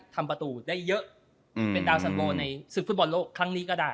ทำประตูได้เยอะเป็นดาวสันโลในศึกฟุตบอลโลกครั้งนี้ก็ได้